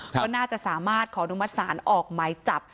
ก็น่าจะสามารถขอนุมัติศาลออกหมายจับ